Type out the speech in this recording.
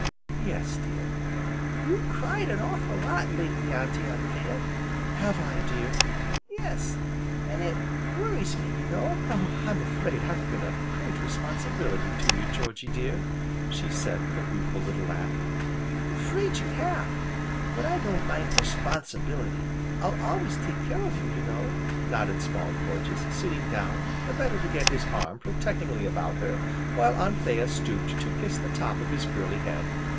"Yes dear." "You've cried an awful lot, lately, Auntie Anthea." "Have I, dear?" "Yes, an' it worries me, you know." "I'm afraid I've been a great responsibility to you, Georgy dear," said she with a rueful little laugh. "'Fraid you have; but I don' mind the 'sponsibility, 'I'll always take care of you, you know!" nodded Small Porges, sitting down, the better to get his arm protectingly about her, while Anthea stooped to kiss the top of his curly head.